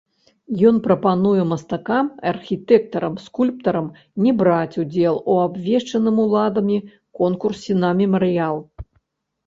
Ён прапануе мастакам, архітэктарам, скульптарам не браць удзел у абвешчаным уладамі конкурсе на мемарыял.